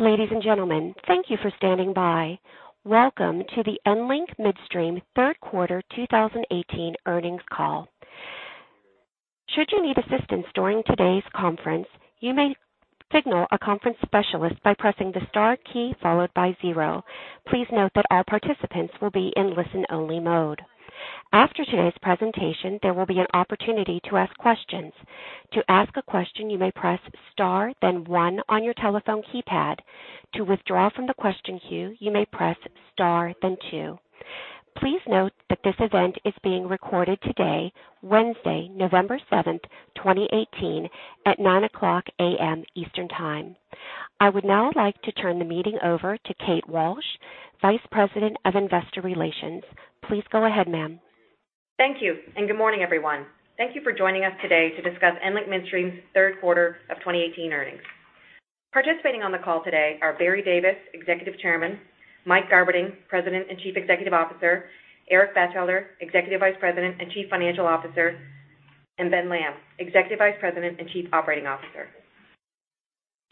Ladies and gentlemen, thank you for standing by. Welcome to the EnLink Midstream Third Quarter 2018 Earnings Call. Should you need assistance during today's conference, you may signal a conference specialist by pressing the star key followed by zero. Please note that all participants will be in listen-only mode. After today's presentation, there will be an opportunity to ask questions. To ask a question, you may press star then one on your telephone keypad. To withdraw from the question queue, you may press star then two. Please note that this event is being recorded today, Wednesday, November 7th, 2018, at 9:00 A.M. Eastern Time. I would now like to turn the meeting over to Kate Walsh, Vice President of Investor Relations. Please go ahead, ma'am. Thank you. Good morning, everyone. Thank you for joining us today to discuss EnLink Midstream's third quarter of 2018 earnings. Participating on the call today are Barry Davis, Executive Chairman, Mike Garberding, President and Chief Executive Officer, Eric Batchelder, Executive Vice President and Chief Financial Officer, and Ben Lamb, Executive Vice President and Chief Operating Officer.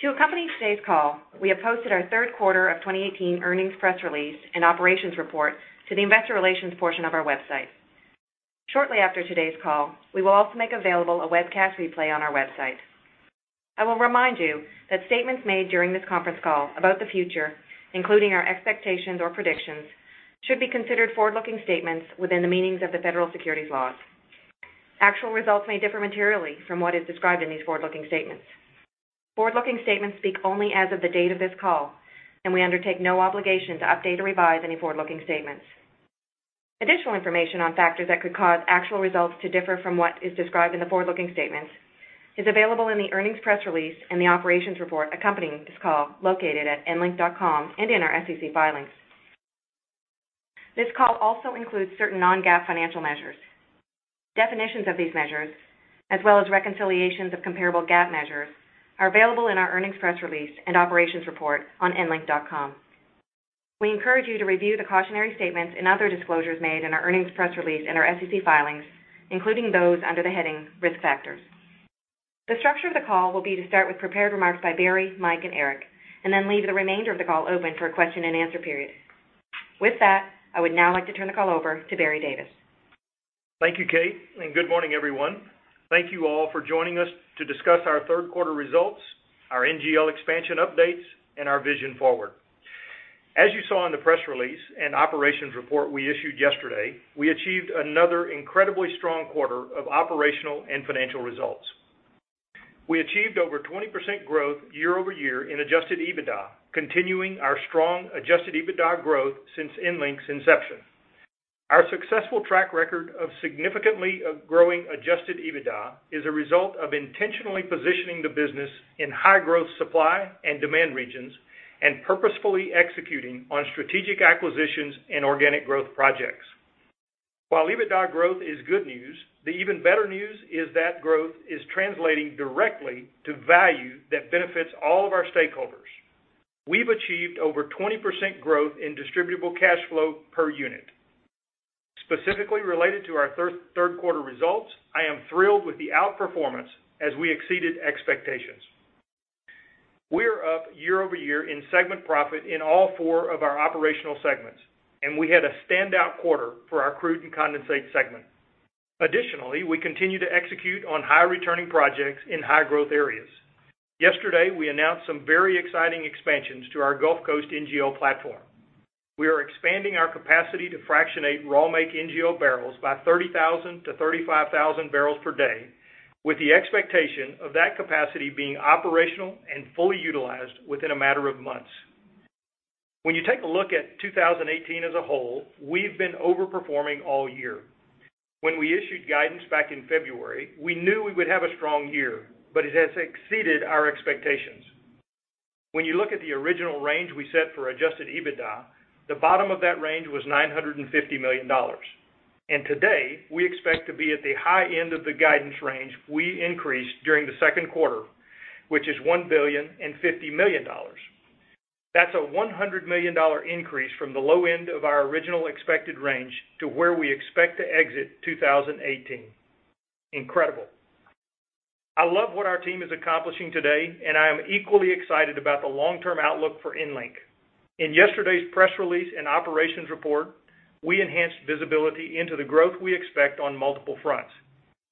To accompany today's call, we have posted our third quarter of 2018 earnings press release and operations report to the investor relations portion of our website. Shortly after today's call, we will also make available a webcast replay on our website. I will remind you that statements made during this conference call about the future, including our expectations or predictions, should be considered forward-looking statements within the meanings of the federal securities laws. Actual results may differ materially from what is described in these forward-looking statements. Forward-looking statements speak only as of the date of this call. We undertake no obligation to update or revise any forward-looking statements. Additional information on factors that could cause actual results to differ from what is described in the forward-looking statements is available in the earnings press release and the operations report accompanying this call located at enlink.com and in our SEC filings. This call also includes certain non-GAAP financial measures. Definitions of these measures, as well as reconciliations of comparable GAAP measures, are available in our earnings press release and operations report on enlink.com. We encourage you to review the cautionary statements and other disclosures made in our earnings press release and our SEC filings, including those under the heading Risk Factors. The structure of the call will be to start with prepared remarks by Barry, Mike, and Eric. Then leave the remainder of the call open for a question and answer period. With that, I would now like to turn the call over to Barry Davis. Thank you, Kate, and good morning, everyone. Thank you all for joining us to discuss our third quarter results, our NGL expansion updates, and our vision forward. As you saw in the press release and operations report we issued yesterday, we achieved another incredibly strong quarter of operational and financial results. We achieved over 20% growth year-over-year in Adjusted EBITDA, continuing our strong Adjusted EBITDA growth since EnLink's inception. Our successful track record of significantly growing Adjusted EBITDA is a result of intentionally positioning the business in high-growth supply and demand regions and purposefully executing on strategic acquisitions and organic growth projects. While EBITDA growth is good news, the even better news is that growth is translating directly to value that benefits all of our stakeholders. We've achieved over 20% growth in distributable cash flow per unit. Specifically related to our third quarter results, I am thrilled with the outperformance as we exceeded expectations. We are up year-over-year in segment profit in all four of our operational segments, and we had a standout quarter for our crude and condensate segment. Additionally, we continue to execute on high-returning projects in high-growth areas. Yesterday, we announced some very exciting expansions to our Gulf Coast NGL platform. We are expanding our capacity to fractionate raw make NGL barrels by 30,000-35,000 barrels per day with the expectation of that capacity being operational and fully utilized within a matter of months. When you take a look at 2018 as a whole, we've been overperforming all year. When we issued guidance back in February, we knew we would have a strong year, but it has exceeded our expectations. When you look at the original range we set for Adjusted EBITDA, the bottom of that range was $950 million. Today, we expect to be at the high end of the guidance range we increased during the second quarter, which is $1 billion and $50 million. That's a $100 million increase from the low end of our original expected range to where we expect to exit 2018. Incredible. I love what our team is accomplishing today, and I am equally excited about the long-term outlook for EnLink. In yesterday's press release and operations report, we enhanced visibility into the growth we expect on multiple fronts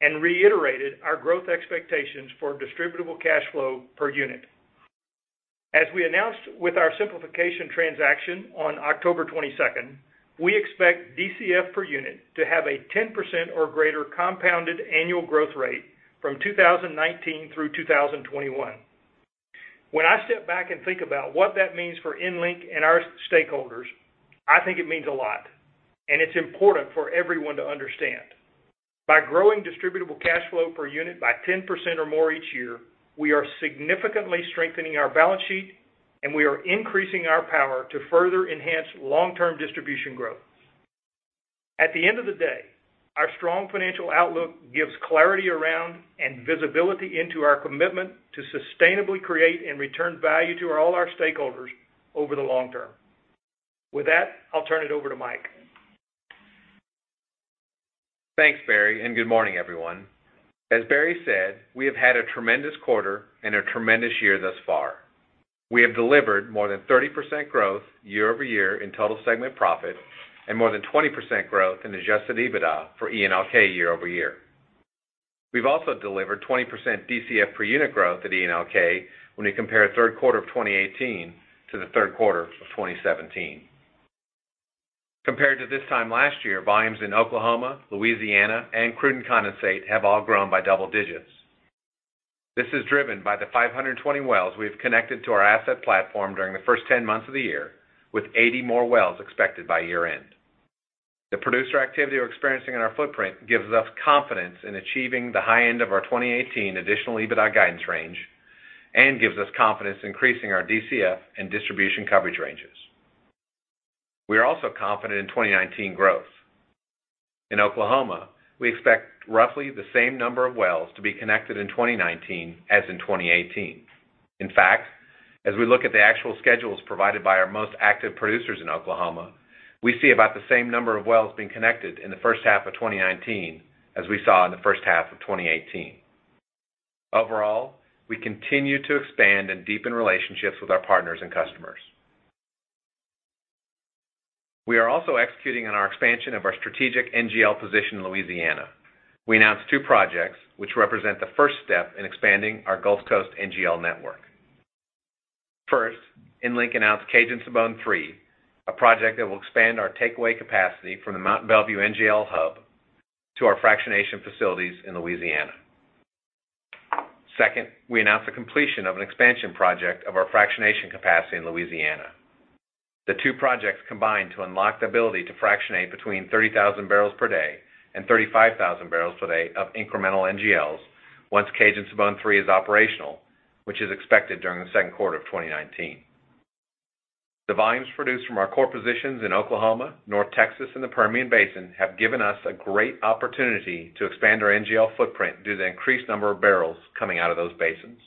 and reiterated our growth expectations for distributable cash flow per unit. As we announced with our simplification transaction on October 22nd, we expect DCF per unit to have a 10% or greater compounded annual growth rate from 2019 through 2021. When I step back and think about what that means for EnLink and our stakeholders, I think it means a lot, and it's important for everyone to understand. By growing distributable cash flow per unit by 10% or more each year, we are significantly strengthening our balance sheet, and we are increasing our power to further enhance long-term distribution growth. At the end of the day, our strong financial outlook gives clarity around and visibility into our commitment to sustainably create and return value to all our stakeholders over the long term. With that, I'll turn it over to Mike. Thanks, Barry, good morning, everyone. As Barry said, we have had a tremendous quarter and a tremendous year thus far. We have delivered more than 30% growth year-over-year in total segment profit and more than 20% growth in Adjusted EBITDA for ENLK year-over-year. We've also delivered 20% DCF per unit growth at ENLK when you compare third quarter of 2018 to the third quarter of 2017. Compared to this time last year, volumes in Oklahoma, Louisiana, and crude and condensate have all grown by double digits. This is driven by the 520 wells we have connected to our asset platform during the first 10 months of the year, with 80 more wells expected by year end The producer activity we're experiencing in our footprint gives us confidence in achieving the high end of our 2018 additional EBITDA guidance range and gives us confidence increasing our DCF and distribution coverage ranges. We are also confident in 2019 growth. In Oklahoma, we expect roughly the same number of wells to be connected in 2019 as in 2018. In fact, as we look at the actual schedules provided by our most active producers in Oklahoma, we see about the same number of wells being connected in the first half of 2019 as we saw in the first half of 2018. Overall, we continue to expand and deepen relationships with our partners and customers. We are also executing on our expansion of our strategic NGL position in Louisiana. We announced two projects, which represent the first step in expanding our Gulf Coast NGL network. First, EnLink announced Cajun-Sibon III, a project that will expand our takeaway capacity from the Mont Belvieu NGL hub to our fractionation facilities in Louisiana. Second, we announced the completion of an expansion project of our fractionation capacity in Louisiana. The two projects combine to unlock the ability to fractionate between 30,000 barrels per day and 35,000 barrels per day of incremental NGLs once Cajun-Sibon III is operational, which is expected during the second quarter of 2019. The volumes produced from our core positions in Oklahoma, North Texas, and the Permian Basin have given us a great opportunity to expand our NGL footprint due to the increased number of barrels coming out of those basins.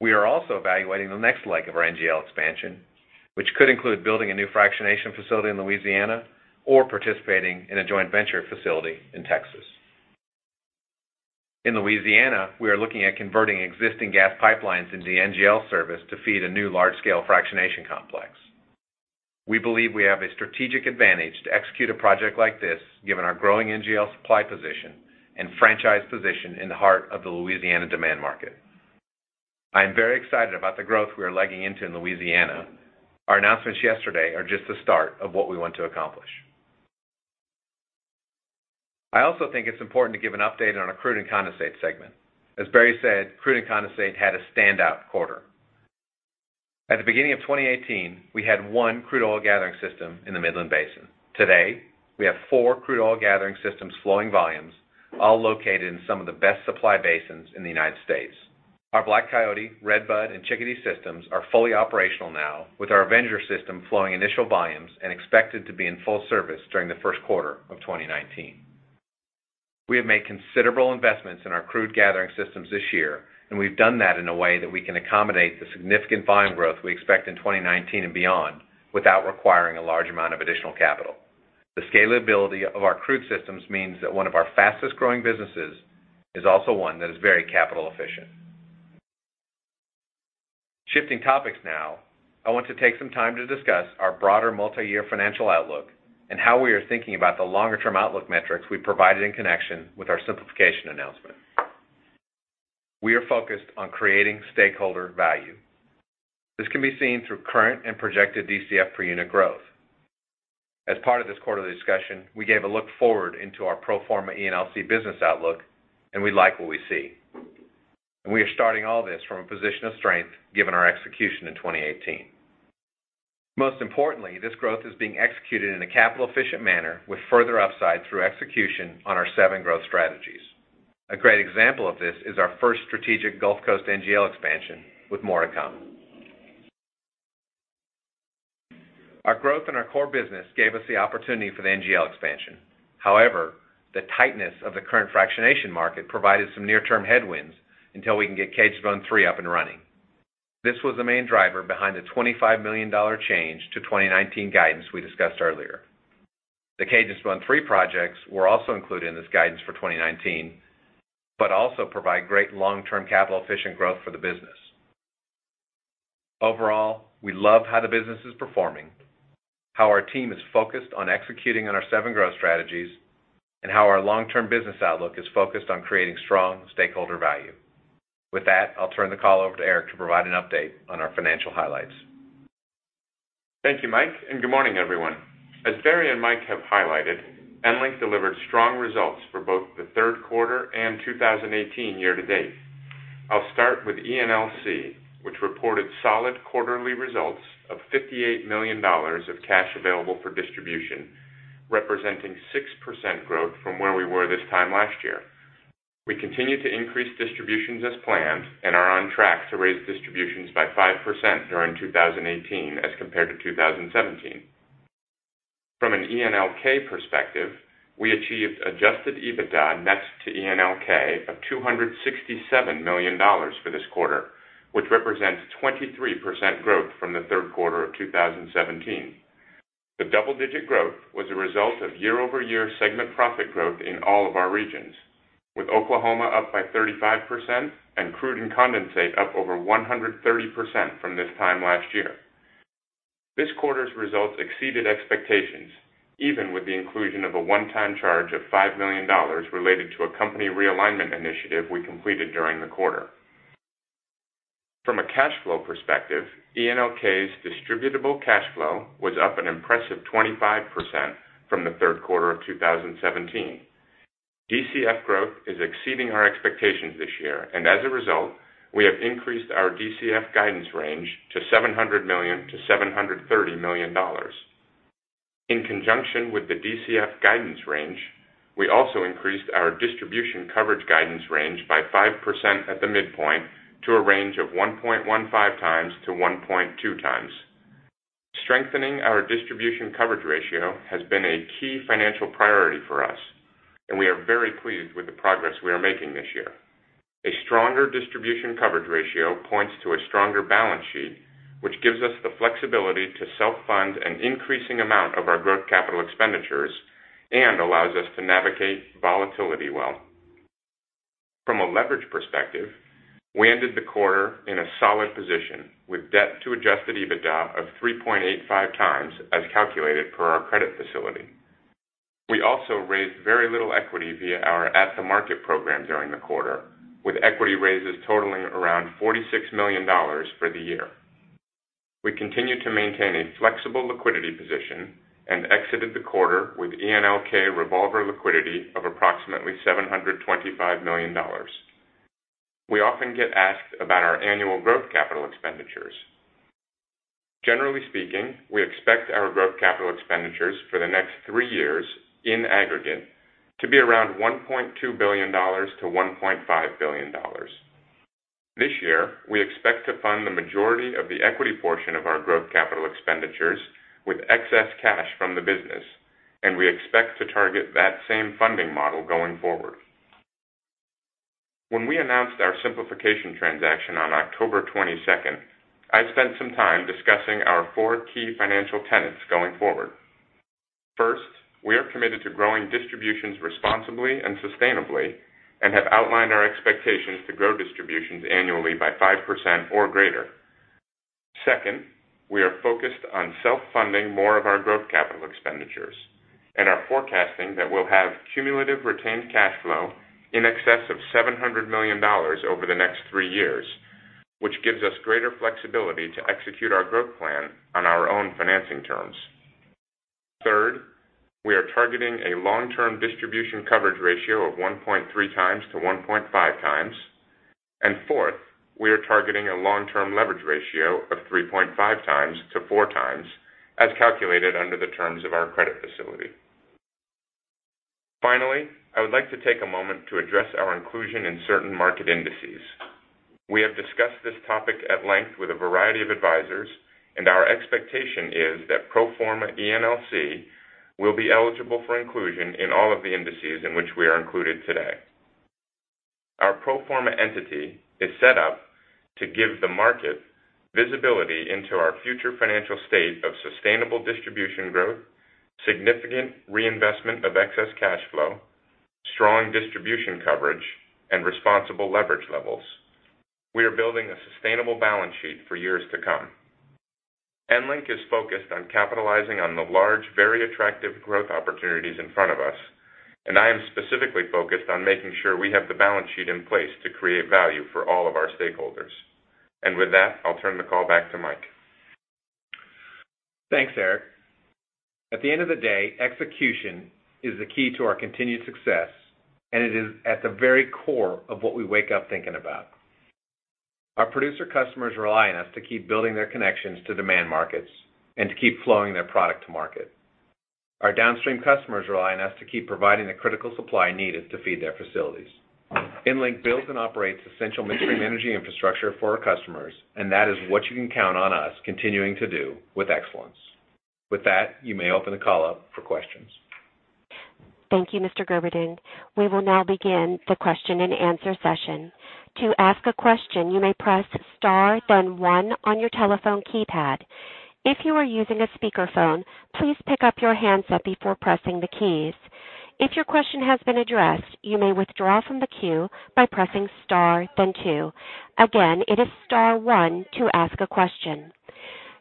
We are also evaluating the next leg of our NGL expansion, which could include building a new fractionation facility in Louisiana or participating in a joint venture facility in Texas. In Louisiana, we are looking at converting existing gas pipelines into NGL service to feed a new large-scale fractionation complex. We believe we have a strategic advantage to execute a project like this, given our growing NGL supply position and franchise position in the heart of the Louisiana demand market. I am very excited about the growth we are legging into in Louisiana. Our announcements yesterday are just the start of what we want to accomplish. I also think it's important to give an update on our crude and condensate segment. As Barry said, crude and condensate had a standout quarter. At the beginning of 2018, we had one crude oil gathering system in the Midland Basin. Today, we have four crude oil gathering systems flowing volumes, all located in some of the best supply basins in the U.S. Our Black Coyote, Redbud, and Chickadee systems are fully operational now, with our Avenger system flowing initial volumes and expected to be in full service during the first quarter of 2019. We've made considerable investments in our crude systems this year and we've done that in a way that we can accommodate the significant volume growth we expect in 2019 and beyond without requiring a large amount of additional capital. The scalability of our crude systems means that one of our fastest-growing businesses is also one that is very capital efficient. Shifting topics now, I want to take some time to discuss our broader multi-year financial outlook and how we are thinking about the longer-term outlook metrics we provided in connection with our simplification announcement. We are focused on creating stakeholder value. This can be seen through current and projected DCF per unit growth. As part of this quarterly discussion, we gave a look forward into our pro forma ENLC business outlook, and we like what we see. We are starting all this from a position of strength, given our execution in 2018. Most importantly, this growth is being executed in a capital-efficient manner with further upside through execution on our seven growth strategies. A great example of this is our first strategic Gulf Coast NGL expansion, with more to come. Our growth in our core business gave us the opportunity for the NGL expansion. However, the tightness of the current fractionation market provided some near-term headwinds until we can get Cajun-Sibon III up and running. This was the main driver behind the $25 million change to 2019 guidance we discussed earlier. The Cajun-Sibon III projects were also included in this guidance for 2019, but also provide great long-term capital-efficient growth for the business. Overall, we love how the business is performing, how our team is focused on executing on our seven growth strategies, and how our long-term business outlook is focused on creating strong stakeholder value. With that, I'll turn the call over to Eric to provide an update on our financial highlights. Thank you, Mike, and good morning, everyone. As Barry and Mike have highlighted, EnLink delivered strong results for both the third quarter and 2018 year to date. I'll start with ENLC, which reported solid quarterly results of $58 million of cash available for distribution, representing 6% growth from where we were this time last year. We continue to increase distributions as planned and are on track to raise distributions by 5% during 2018 as compared to 2017. From an ENLK perspective, we achieved Adjusted EBITDA net to ENLK of $267 million for this quarter, which represents 23% growth from the third quarter of 2017. The double-digit growth was a result of year-over-year segment profit growth in all of our regions, with Oklahoma up by 35% and crude and condensate up over 130% from this time last year. This quarter's results exceeded expectations, even with the inclusion of a one-time charge of $5 million related to a company realignment initiative we completed during the quarter. From a cash flow perspective, ENLK's distributable cash flow was up an impressive 25% from the third quarter of 2017. DCF growth is exceeding our expectations this year. As a result, we have increased our DCF guidance range to $700 million-$730 million. In conjunction with the DCF guidance range, we also increased our distribution coverage guidance range by 5% at the midpoint to a range of 1.15 times to 1.2 times. Strengthening our distribution coverage ratio has been a key financial priority for us. We are very pleased with the progress we are making this year. A stronger distribution coverage ratio points to a stronger balance sheet, which gives us the flexibility to self-fund an increasing amount of our growth capital expenditures and allows us to navigate volatility well. From a leverage perspective, we ended the quarter in a solid position with debt to Adjusted EBITDA of 3.85 times as calculated per our credit facility. We also raised very little equity via our at-the-market program during the quarter, with equity raises totaling around $46 million for the year. We continue to maintain a flexible liquidity position. We exited the quarter with ENLK revolver liquidity of approximately $725 million. We often get asked about our annual growth capital expenditures. Generally speaking, we expect our growth capital expenditures for the next three years in aggregate to be around $1.2 billion-$1.5 billion. This year, we expect to fund the majority of the equity portion of our growth capital expenditures with excess cash from the business. We expect to target that same funding model going forward. When we announced our simplification transaction on October 22nd, I spent some time discussing our four key financial tenets going forward. First, we are committed to growing distributions responsibly and sustainably and have outlined our expectations to grow distributions annually by 5% or greater. Second, we are focused on self-funding more of our growth capital expenditures and are forecasting that we'll have cumulative retained cash flow in excess of $700 million over the next three years, which gives us greater flexibility to execute our growth plan on our own financing terms. Third, we are targeting a long-term distribution coverage ratio of 1.3 times to 1.5 times. Fourth, we are targeting a long-term leverage ratio of 3.5 times to 4 times, as calculated under the terms of our credit facility. Finally, I would like to take a moment to address our inclusion in certain market indices. We have discussed this topic at length with a variety of advisors. Our expectation is that pro forma ENLC will be eligible for inclusion in all of the indices in which we are included today. Our pro forma entity is set up to give the market visibility into our future financial state of sustainable distribution growth, significant reinvestment of excess cash flow, strong distribution coverage, and responsible leverage levels. We are building a sustainable balance sheet for years to come. EnLink is focused on capitalizing on the large, very attractive growth opportunities in front of us, and I am specifically focused on making sure we have the balance sheet in place to create value for all of our stakeholders. With that, I'll turn the call back to Mike. Thanks, Eric. At the end of the day, execution is the key to our continued success, and it is at the very core of what we wake up thinking about. Our producer customers rely on us to keep building their connections to demand markets to keep flowing their product to market. Our downstream customers rely on us to keep providing the critical supply needed to feed their facilities. EnLink builds and operates essential midstream energy infrastructure for our customers, that is what you can count on us continuing to do with excellence. With that, you may open the call up for questions. Thank you, Mr. Garberding. We will now begin the question and answer session. To ask a question, you may press star then one on your telephone keypad. If you are using a speakerphone, please pick up your handset before pressing the keys. If your question has been addressed, you may withdraw from the queue by pressing star then two. Again, it is star one to ask a question.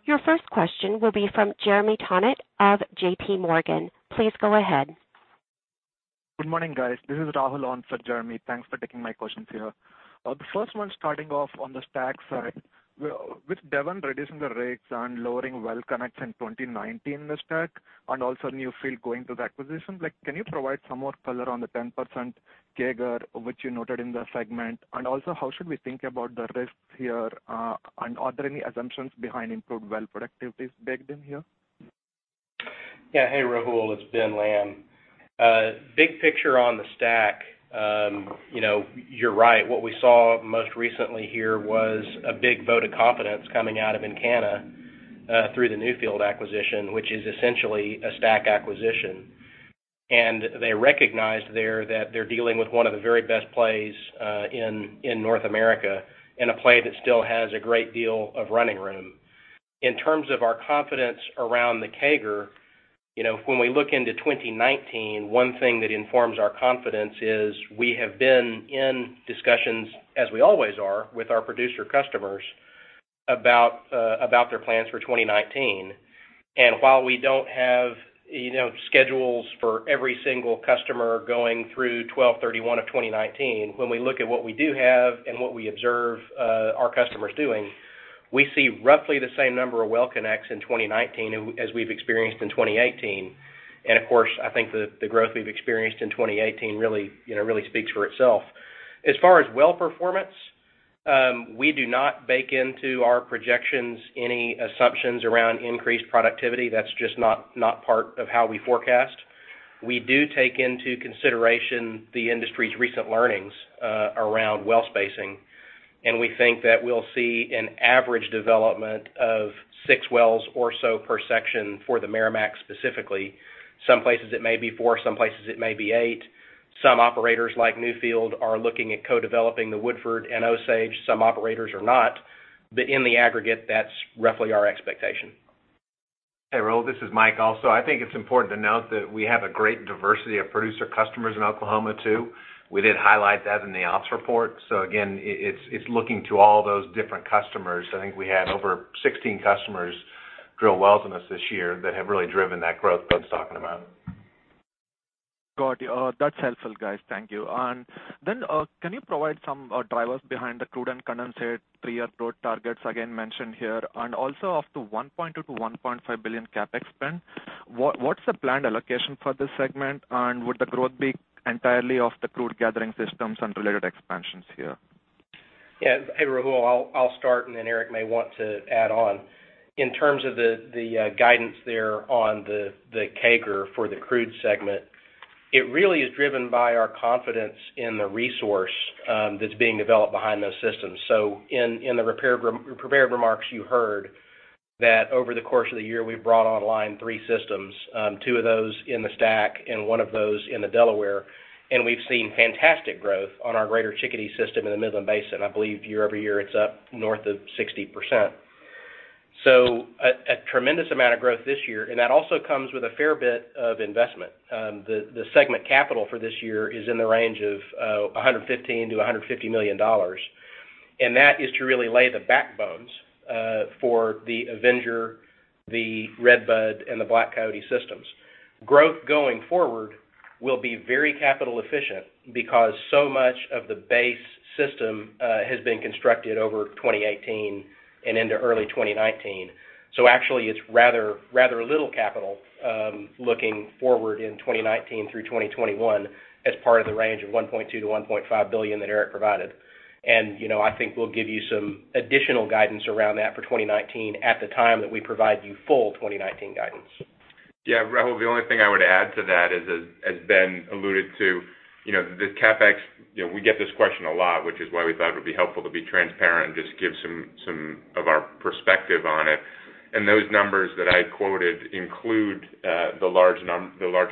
Your first question will be from Jeremy Tonet of J.P. Morgan. Please go ahead. Good morning, guys. This is Rahul on for Jeremy. Thanks for taking my questions here. The first one starting off on the STACK side. With Devon reducing their rigs and lowering well connects in 2019 in the STACK and also Newfield going through the acquisition, can you provide some more color on the 10% CAGR which you noted in the segment? Also, how should we think about the risks here, are there any assumptions behind improved well productivities baked in here? Yeah. Hey, Rahul, it's Ben Lamb. Big picture on the STACK, you're right. What we saw most recently here was a big vote of confidence coming out of Encana through the Newfield acquisition, which is essentially a STACK acquisition. They recognized there that they're dealing with one of the very best plays in North America, and a play that still has a great deal of running room. In terms of our confidence around the CAGR, when we look into 2019, one thing that informs our confidence is we have been in discussions, as we always are, with our producer customers about their plans for 2019. While we don't have schedules for every single customer going through 12/31 of 2019, when we look at what we do have and what we observe our customers doing, we see roughly the same number of well connects in 2019 as we've experienced in 2018. Of course, I think the growth we've experienced in 2018 really speaks for itself. As far as well performance, we do not bake into our projections any assumptions around increased productivity. That's just not part of how we forecast. We do take into consideration the industry's recent learnings around well spacing, and we think that we'll see an average development of six wells or so per section for the Meramec specifically. Some places it may be four, some places it may be eight. Some operators like Newfield are looking at co-developing the Woodford and Osage, some operators are not. In the aggregate, that's roughly our expectation. Hey, Rahul, this is Mike also. I think it's important to note that we have a great diversity of producer customers in Oklahoma, too. We did highlight that in the ops report. Again, it's looking to all those different customers. I think we had over 16 customers drill wells with us this year that have really driven that growth Ben's talking about. Got you. That's helpful, guys. Thank you. Can you provide some drivers behind the crude and condensate three-year growth targets again mentioned here, also of the $1.2 billion-$1.5 billion CapEx spend? What's the planned allocation for this segment, and would the growth be entirely off the crude gathering systems and related expansions here? Yeah. Hey, Rahul. I'll start, then Eric may want to add on. In terms of the guidance there on the CAGR for the Crude segment, it really is driven by our confidence in the resource that's being developed behind those systems. In the prepared remarks you heard that over the course of the year, we've brought online three systems, two of those in the STACK and one of those in the Delaware. We've seen fantastic growth on our Greater Chickadee system in the Midland Basin. I believe year-over-year it's up north of 60%. A tremendous amount of growth this year, that also comes with a fair bit of investment. The segment capital for this year is in the range of $115 million-$150 million, that is to really lay the backbones for the Avenger, the Redbud, and the Black Coyote systems. Growth going forward will be very capital efficient because so much of the base system has been constructed over 2018 and into early 2019. Actually, it's rather little capital looking forward in 2019 through 2021 as part of the range of $1.2 billion-$1.5 billion that Eric provided. I think we'll give you some additional guidance around that for 2019 at the time that we provide you full 2019 guidance. Yeah, Rahul, the only thing I would add to that is, as Ben alluded to, the CapEx, we get this question a lot, which is why we thought it would be helpful to be transparent and just give some of our perspective on it. Those numbers that I quoted include the large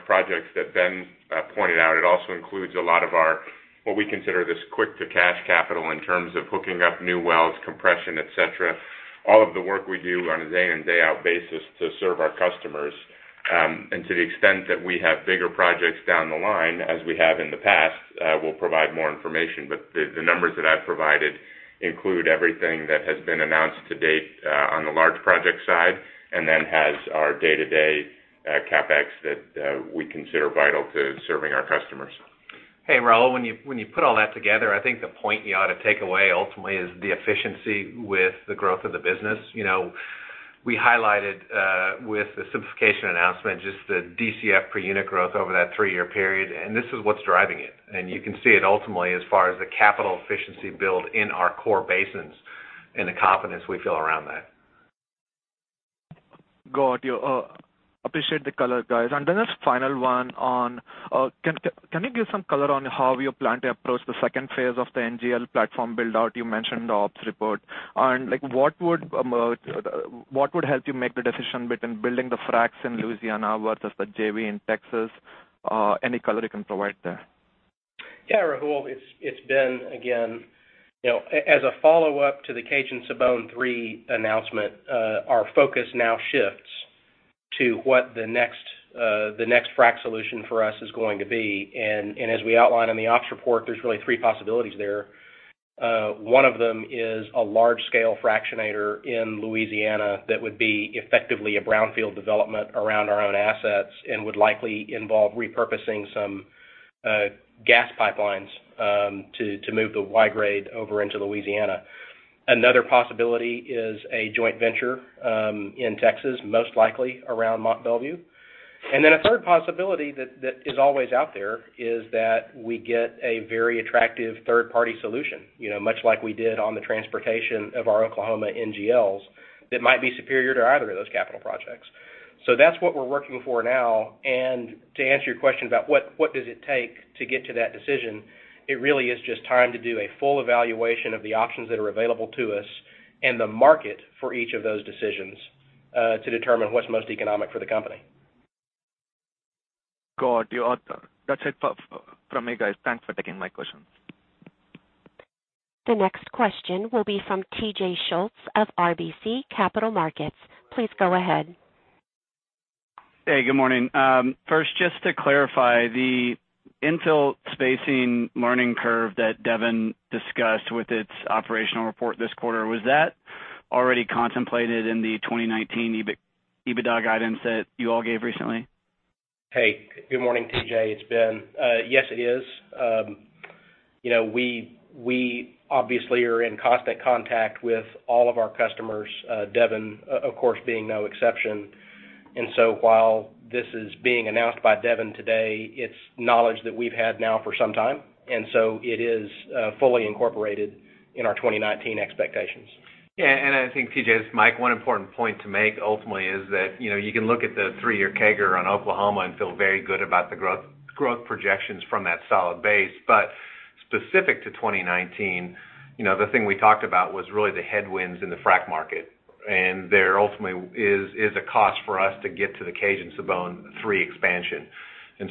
projects that Ben pointed out. It also includes a lot of our what we consider this quick to cash capital in terms of hooking up new wells, compression, et cetera, all of the work we do on a day in and day out basis to serve our customers. To the extent that we have bigger projects down the line, as we have in the past, we'll provide more information. The numbers that I've provided include everything that has been announced to date on the large project side, then has our day-to-day CapEx that we consider vital to serving our customers. Hey, Rahul. When you put all that together, I think the point you ought to take away ultimately is the efficiency with the growth of the business. We highlighted with the simplification announcement, just the DCF per unit growth over that three-year period, this is what's driving it. You can see it ultimately as far as the capital efficiency build in our core basins and the confidence we feel around that. Got you. Appreciate the color, guys. Then a final one on-- Can you give some color on how you plan to approach the phase II of the NGL platform build-out you mentioned in the ops report? What would help you make the decision between building the fracs in Louisiana versus the JV in Texas? Any color you can provide there? Yeah, Rahul. It's Ben again. As a follow-up to the Cajun-Sibon III announcement our focus now shifts to what the next frac solution for us is going to be. As we outlined in the ops report, there's really three possibilities there. One of them is a large-scale fractionator in Louisiana that would be effectively a brownfield development around our own assets and would likely involve repurposing some gas pipelines to move the Y-grade over into Louisiana. Another possibility is a joint venture in Texas, most likely around Mont Belvieu. Then a third possibility that is always out there is that we get a very attractive third-party solution, much like we did on the transportation of our Oklahoma NGLs that might be superior to either of those capital projects. That's what we're working for now. To answer your question about what does it take to get to that decision, it really is just time to do a full evaluation of the options that are available to us and the market for each of those decisions to determine what is most economic for the company. Got you. That is it from me, guys. Thanks for taking my questions. The next question will be from T.J. Schultz of RBC Capital Markets. Please go ahead. Hey, good morning. First, just to clarify, the infill spacing learning curve that Devon discussed with its operational report this quarter, was that already contemplated in the 2019 EBITDA guidance that you all gave recently? Hey, good morning, T.J. It's Ben. Yes, it is. We obviously are in constant contact with all of our customers, Devon, of course, being no exception. While this is being announced by Devon today, it's knowledge that we've had now for some time. It is fully incorporated in our 2019 expectations. Yeah. I think, T.J., this is Mike, one important point to make ultimately is that, you can look at the three-year CAGR on Oklahoma and feel very good about the growth projections from that solid base. Specific to 2019, the thing we talked about was really the headwinds in the frac market. There ultimately is a cost for us to get to the Cajun-Sibon III expansion.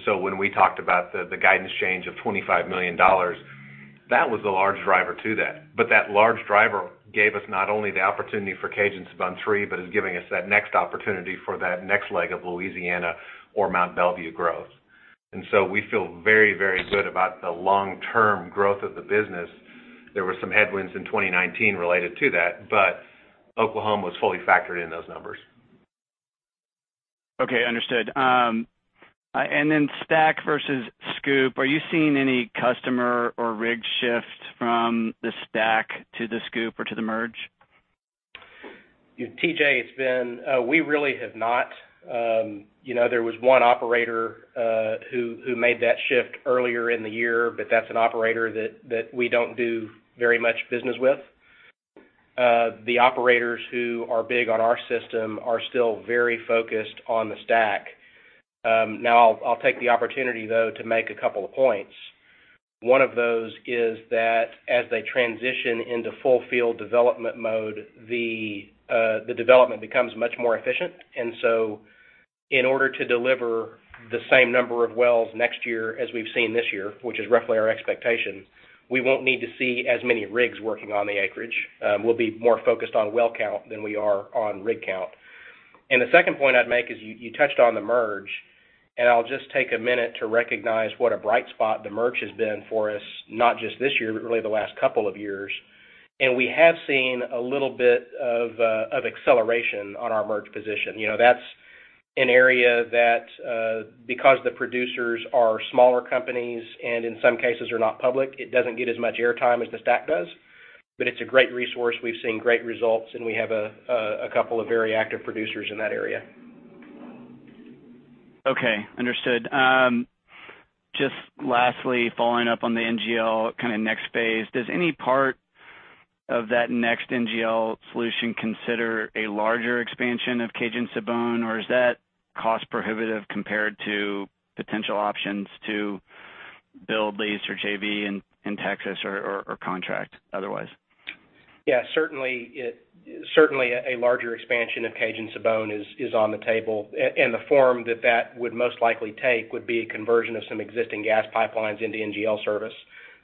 When we talked about the guidance change of $25 million, that was a large driver to that. That large driver gave us not only the opportunity for Cajun-Sibon III, but is giving us that next opportunity for that next leg of Louisiana or Mont Belvieu growth. We feel very good about the long-term growth of the business. There were some headwinds in 2019 related to that, but Oklahoma was fully factored in those numbers. Okay, understood. STACK versus SCOOP, are you seeing any customer or rig shift from the STACK to the SCOOP or to the Merge? T.J., it's Ben. We really have not. There was one operator who made that shift earlier in the year, but that's an operator that we don't do very much business with. The operators who are big on our system are still very focused on the STACK. I'll take the opportunity, though, to make a couple of points. One of those is that as they transition into full field development mode, the development becomes much more efficient. In order to deliver the same number of wells next year as we've seen this year, which is roughly our expectation, we won't need to see as many rigs working on the acreage. We'll be more focused on well count than we are on rig count. The second point I'd make is you touched on the Merge, and I'll just take a minute to recognize what a bright spot the Merge has been for us, not just this year, but really the last couple of years. We have seen a little bit of acceleration on our Merge position. That's an area that because the producers are smaller companies and in some cases are not public, it doesn't get as much air time as the STACK does, but it's a great resource. We've seen great results, and we have a couple of very active producers in that area. Okay, understood. Just lastly, following up on the NGL kind of next phase, does any part of that next NGL solution consider a larger expansion of Cajun-Sibon, or is that cost prohibitive compared to potential options to build lease or JV in Texas or contract otherwise? Yeah, certainly a larger expansion of Cajun-Sibon is on the table, and the form that that would most likely take would be a conversion of some existing gas pipelines into NGL service.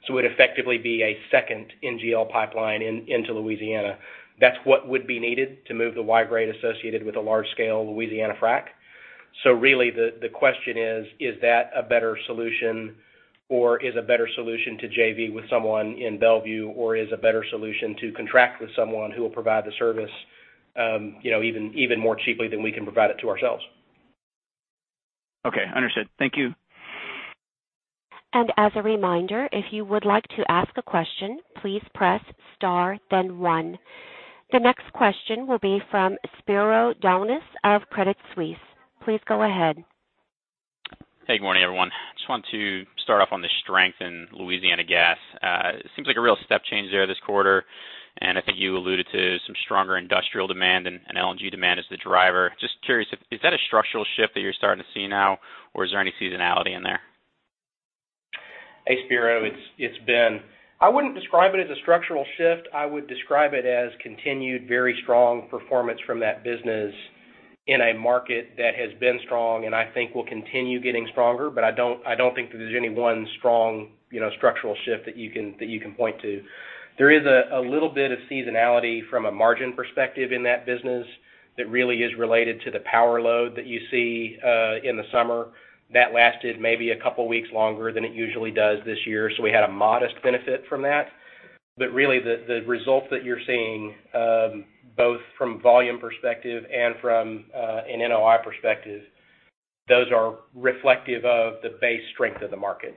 It'd effectively be a second NGL pipeline into Louisiana. That's what would be needed to move the Y-grade associated with a large-scale Louisiana frac. Really the question is that a better solution, or is a better solution to JV with someone in Belvieu, or is a better solution to contract with someone who will provide the service even more cheaply than we can provide it to ourselves? Okay, understood. Thank you. As a reminder, if you would like to ask a question, please press star then one. The next question will be from Spiro Dounis of Credit Suisse. Please go ahead. Hey, good morning, everyone. Just wanted to start off on the strength in Louisiana gas. Seems like a real step change there this quarter, and I think you alluded to some stronger industrial demand and LNG demand as the driver. Just curious, is that a structural shift that you're starting to see now, or is there any seasonality in there? Hey, Spiro, it's Ben. I wouldn't describe it as a structural shift. I would describe it as continued very strong performance from that business in a market that has been strong and I think will continue getting stronger. I don't think that there's any one strong structural shift that you can point to. There is a little bit of seasonality from a margin perspective in that business that really is related to the power load that you see in the summer. That lasted maybe a couple of weeks longer than it usually does this year, so we had a modest benefit from that. Really, the results that you're seeing, both from volume perspective and from an NOI perspective, those are reflective of the base strength of the market.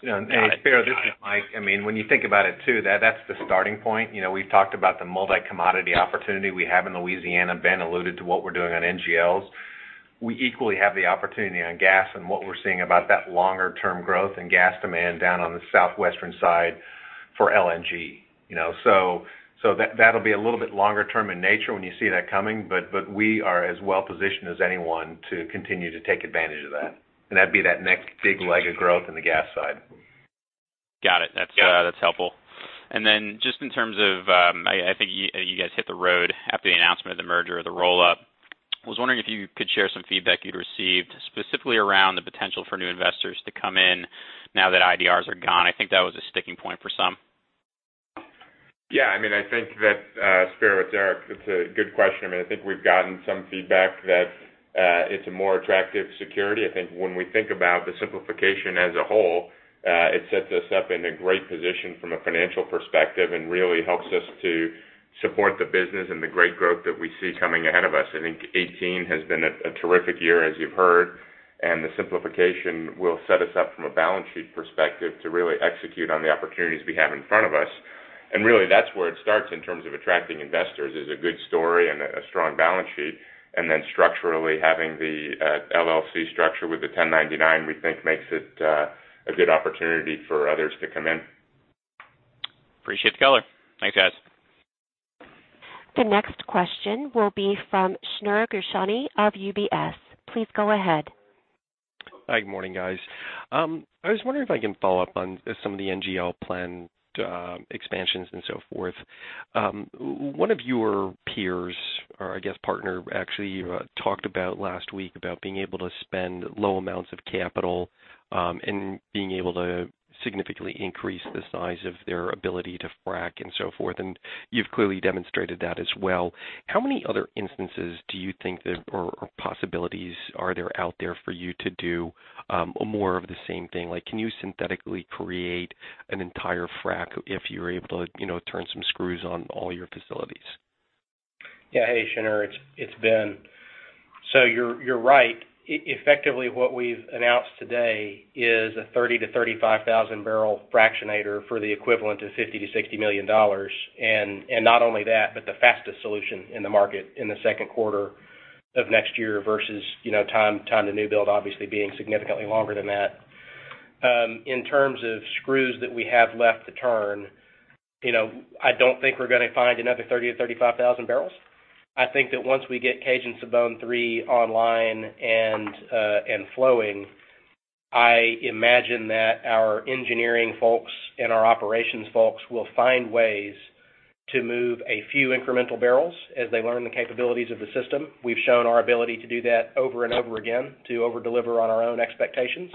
Spiro, this is Mike. When you think about it too, that's the starting point. We've talked about the multi-commodity opportunity we have in Louisiana. Ben alluded to what we're doing on NGLs. We equally have the opportunity on gas and what we're seeing about that longer-term growth in gas demand down on the southwestern side for LNG. That'll be a little bit longer-term in nature when you see that coming, but we are as well-positioned as anyone to continue to take advantage of that. That'd be that next big leg of growth in the gas side. Got it. That's helpful. Just in terms of, I think you guys hit the road after the announcement of the merger, the roll-up. I was wondering if you could share some feedback you'd received specifically around the potential for new investors to come in now that IDRs are gone. I think that was a sticking point for some. I think that, Spiro, it's Eric, it's a good question. I think we've gotten some feedback that it's a more attractive security. I think when we think about the simplification as a whole, it sets us up in a great position from a financial perspective and really helps us to support the business and the great growth that we see coming ahead of us. I think 2018 has been a terrific year, as you've heard, and the simplification will set us up from a balance sheet perspective to really execute on the opportunities we have in front of us. Really that's where it starts in terms of attracting investors is a good story and a strong balance sheet, and then structurally having the LLC structure with the 1099, we think makes it a good opportunity for others to come in. Appreciate the color. Thanks, guys. The next question will be from Shneur Gershuni of UBS. Please go ahead. Hi. Good morning, guys. I was wondering if I can follow up on some of the NGL planned expansions and so forth. One of your peers, or I guess partner actually, talked about last week about being able to spend low amounts of capital, and being able to significantly increase the size of their ability to frac and so forth, and you've clearly demonstrated that as well. How many other instances do you think there are, or possibilities are there out there for you to do more of the same thing? Can you synthetically create an entire frac if you're able to turn some screws on all your facilities? Yeah. Hey, Shneur, it's Ben. You're right. Effectively, what we've announced today is a 30,000-35,000 barrel fractionator for the equivalent of $50 million-$60 million. Not only that, but the fastest solution in the market in the second quarter of next year versus time to new build obviously being significantly longer than that. In terms of screws that we have left to turn, I don't think we're going to find another 30,000-35,000 barrels. I think that once we get Cajun-Sibon III online and flowing, I imagine that our engineering folks and our operations folks will find ways to move a few incremental barrels as they learn the capabilities of the system. We've shown our ability to do that over and over again, to over-deliver on our own expectations.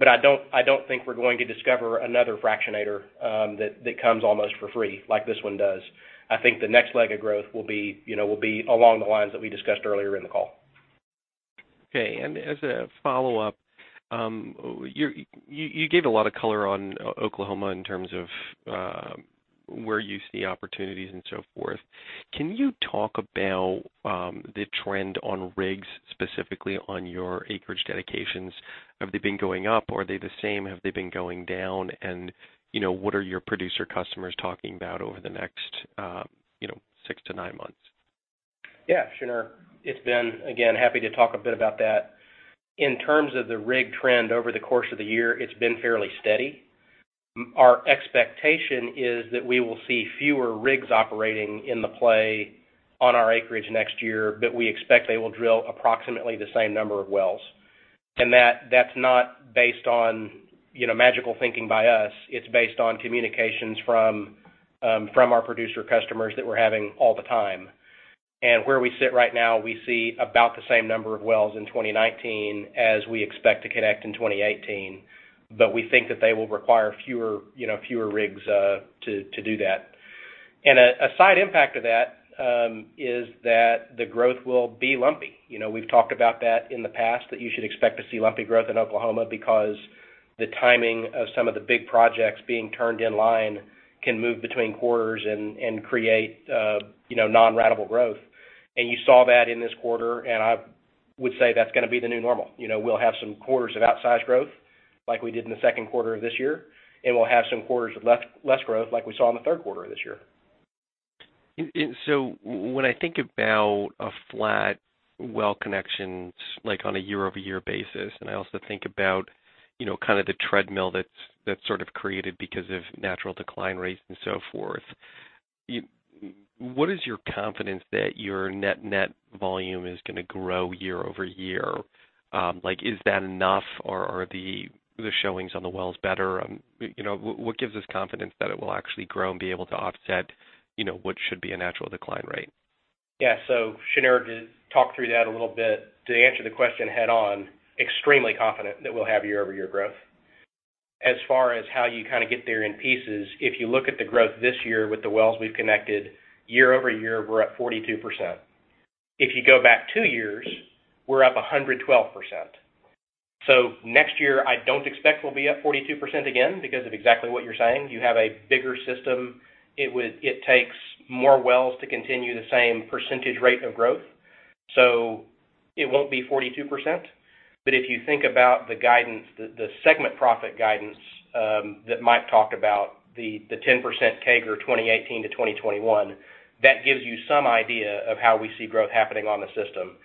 I don't think we're going to discover another fractionator that comes almost for free like this one does. I think the next leg of growth will be along the lines that we discussed earlier in the call. Okay. As a follow-up, you gave a lot of color on Oklahoma in terms of where you see opportunities and so forth. Can you talk about the trend on rigs, specifically on your acreage dedications? Have they been going up? Are they the same? Have they been going down? What are your producer customers talking about over the next 6-9 months? Yeah, Shneur. It's Ben. Again, happy to talk a bit about that. In terms of the rig trend over the course of the year, it's been fairly steady. Our expectation is that we will see fewer rigs operating in the play on our acreage next year, but we expect they will drill approximately the same number of wells. That's not based on magical thinking by us. It's based on communications from our producer customers that we're having all the time. Where we sit right now, we see about the same number of wells in 2019 as we expect to connect in 2018. We think that they will require fewer rigs to do that. A side impact of that, is that the growth will be lumpy. We've talked about that in the past, that you should expect to see lumpy growth in Oklahoma because the timing of some of the big projects being turned in line can move between quarters and create non-ratable growth. You saw that in this quarter, and I would say that's going to be the new normal. We'll have some quarters of outsized growth like we did in the second quarter of this year, and we'll have some quarters of less growth like we saw in the third quarter of this year. When I think about a flat well connections like on a year-over-year basis, and I also think about kind of the treadmill that's sort of created because of natural decline rates and so forth. What is your confidence that your net volume is going to grow year-over-year? Is that enough or are the showings on the wells better? What gives us confidence that it will actually grow and be able to offset what should be a natural decline rate? Yeah. Shneur, to talk through that a little bit, to answer the question head on, extremely confident that we'll have year-over-year growth. As far as how you kind of get there in pieces, if you look at the growth this year with the wells we've connected, year-over-year, we're up 42%. If you go back two years, we're up 112%. Next year, I don't expect we'll be up 42% again because of exactly what you're saying. You have a bigger system. It takes more wells to continue the same percentage rate of growth. It won't be 42%, but if you think about the segment profit guidance that Mike talked about, the 10% CAGR 2018-2021, that gives you some idea of how we see growth happening on the system.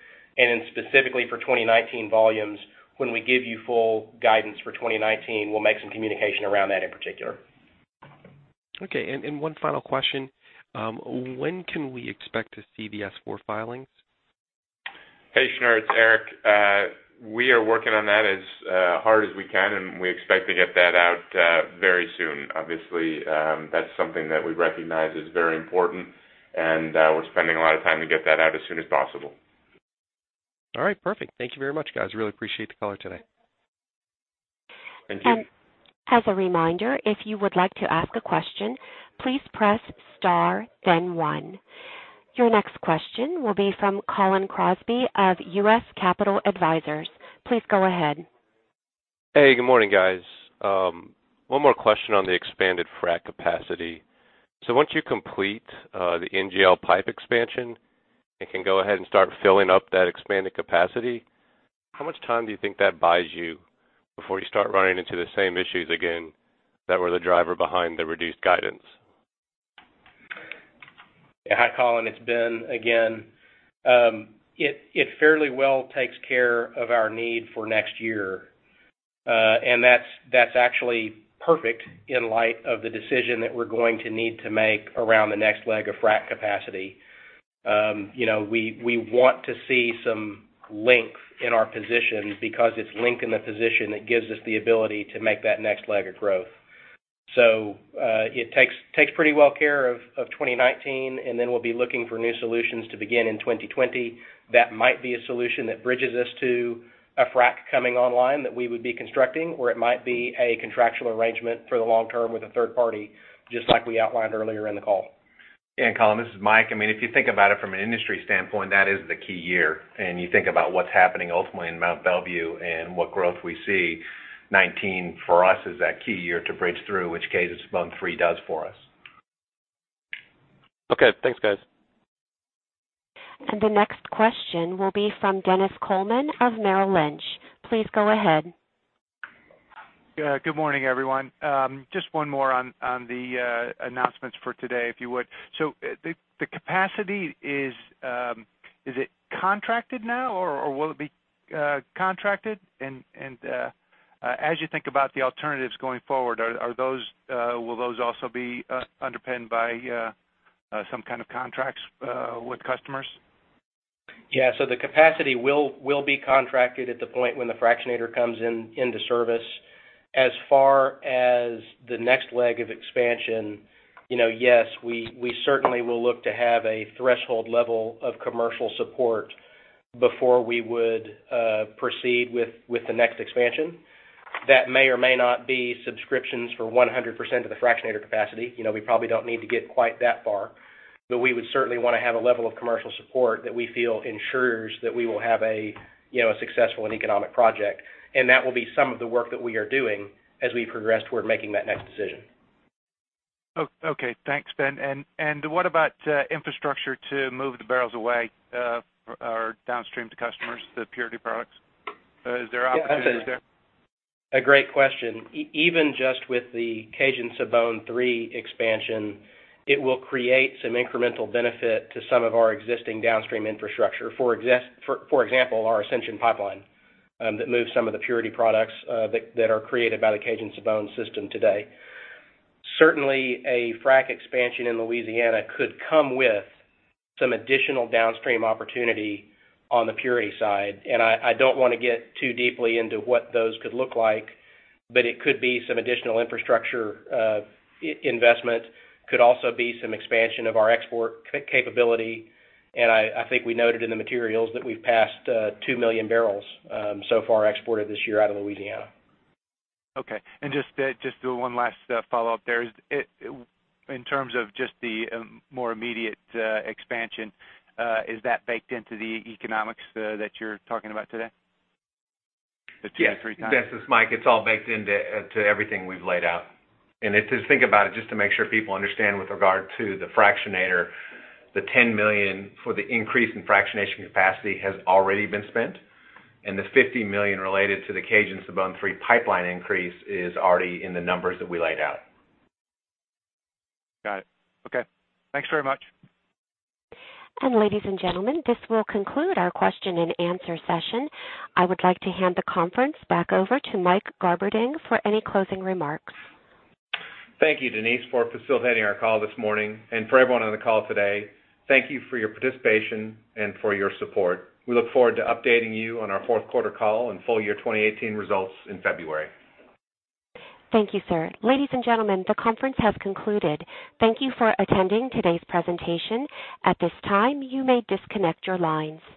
Specifically for 2019 volumes, when we give you full guidance for 2019, we'll make some communication around that in particular. Okay. One final question. When can we expect to see the S-4 filings? Hey, Shneur. It's Eric. We are working on that as hard as we can, and we expect to get that out very soon. Obviously, that's something that we recognize is very important, and we're spending a lot of time to get that out as soon as possible. All right, perfect. Thank you very much, guys. Really appreciate the call today. Thank you. As a reminder, if you would like to ask a question, please press star then one. Your next question will be from Colin Crosby of U.S. Capital Advisors. Please go ahead. Hey, good morning, guys. One more question on the expanded frac capacity. Once you complete the NGL pipe expansion and can go ahead and start filling up that expanded capacity, how much time do you think that buys you before you start running into the same issues again that were the driver behind the reduced guidance? Hi, Colin. It's Ben again. It fairly well takes care of our need for next year. That's actually perfect in light of the decision that we're going to need to make around the next leg of frac capacity. We want to see some length in our position because it's length in the position that gives us the ability to make that next leg of growth. It takes pretty well care of 2019, and then we'll be looking for new solutions to begin in 2020. That might be a solution that bridges us to a frac coming online that we would be constructing, or it might be a contractual arrangement for the long term with a third party, just like we outlined earlier in the call. Colin, this is Mike. If you think about it from an industry standpoint, that is the key year. You think about what's happening ultimately in Mont Belvieu and what growth we see, 2019 for us is that key year to bridge through which Cajun-Sibon III does for us. Okay, thanks, guys. The next question will be from Dennis Coleman of Merrill Lynch. Please go ahead. Good morning, everyone. Just one more on the announcements for today, if you would. The capacity, is it contracted now, or will it be contracted? As you think about the alternatives going forward, will those also be underpinned by some kind of contracts with customers? The capacity will be contracted at the point when the fractionator comes into service. As far as the next leg of expansion, yes, we certainly will look to have a threshold level of commercial support before we would proceed with the next expansion. That may or may not be subscriptions for 100% of the fractionator capacity. We probably don't need to get quite that far. We would certainly want to have a level of commercial support that we feel ensures that we will have a successful and economic project. That will be some of the work that we are doing as we progress toward making that next decision. Okay. Thanks, Ben. What about infrastructure to move the barrels away or downstream to customers, the purity products? Is there opportunity there? A great question. Even just with the Cajun-Sibon III expansion, it will create some incremental benefit to some of our existing downstream infrastructure. For example, our Ascension Pipeline that moves some of the purity products that are created by the Cajun-Sibon system today. Certainly, a frac expansion in Louisiana could come with some additional downstream opportunity on the purity side, I don't want to get too deeply into what those could look like, but it could be some additional infrastructure investment, could also be some expansion of our export capability. I think we noted in the materials that we've passed 2 million barrels so far exported this year out of Louisiana. Okay. Just one last follow-up there. In terms of just the more immediate expansion, is that baked into the economics that you're talking about today? The 2-3 times. Yes. This is Mike. It's all baked into everything we've laid out. If you think about it, just to make sure people understand with regard to the fractionator, the $10 million for the increase in fractionation capacity has already been spent, and the $50 million related to the Cajun-Sibon III pipeline increase is already in the numbers that we laid out. Got it. Okay. Thanks very much. Ladies and gentlemen, this will conclude our question and answer session. I would like to hand the conference back over to Mike Garberding for any closing remarks. Thank you, Denise, for facilitating our call this morning and for everyone on the call today. Thank you for your participation and for your support. We look forward to updating you on our fourth quarter call and full year 2018 results in February. Thank you, sir. Ladies and gentlemen, the conference has concluded. Thank you for attending today's presentation. At this time, you may disconnect your lines.